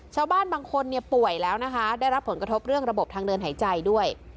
ชาวบ้านบางคนป่วยแล้วนะคะได้รับผลกระทบเรื่องระบบทางเดินหายใจด้วย